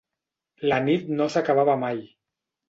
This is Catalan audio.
La nit no s'acabava mai.